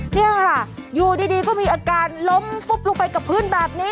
นี่ค่ะอยู่ดีก็มีอาการล้มฟุบลงไปกับพื้นแบบนี้